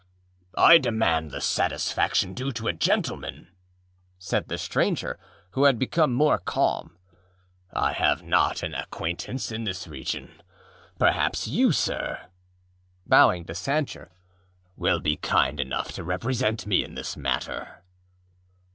âI demand the satisfaction due to a gentleman,â said the stranger, who had become more calm. âI have not an acquaintance in this region. Perhaps you, sir,â bowing to Sancher, âwill be kind enough to represent me in this matter.